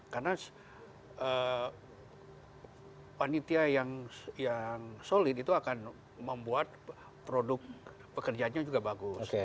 karena wanita yang solid itu akan membuat produk pekerjaannya juga bagus